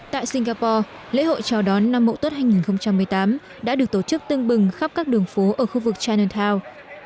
tại singapore lễ hội chào đón năm mậu tốt hai nghìn một mươi tám đã được tổ chức tương bừng khắp các đường phố ở khu vực chinatown